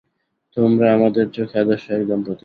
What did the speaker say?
তোমরা আমাদের চোখে আদর্শ এক দম্পতি।